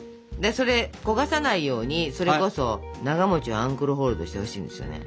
それ焦がさないようにそれこそながをアンクルホールドしてほしいんですよね。